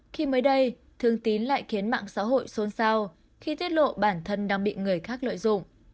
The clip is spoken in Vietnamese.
khi mới đây thương tín lại khiến mạng xã hội xôn xao khi tiết lộ bản thân đang bị người khác lợi dụng